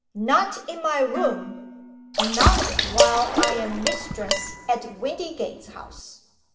not in my room! not while I am mistress at Windygates House!"